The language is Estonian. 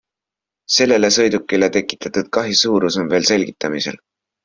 Sellele sõidukile tekitatud kahju suurus on veel selgitamisel.